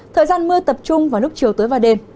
thời gian mưa tập trung vào lúc chiều tối và đêm